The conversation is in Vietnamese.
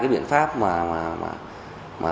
cái biện pháp mà